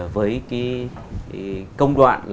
với công đoạn